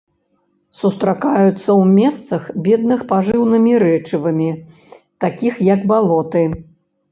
Сустракаюцца ў месцах, бедных пажыўнымі рэчывамі, такіх як балоты.